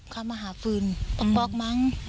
เขามาหาฟืนป๊อกมั้ง